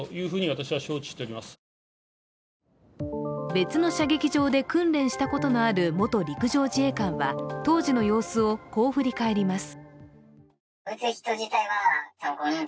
別の射撃場で訓練したことのある元陸上自衛官は当時の様子を、こう振り返ります。